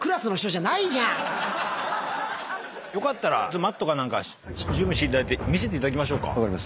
よかったらマットか何か準備していただいて見せていただきましょうか。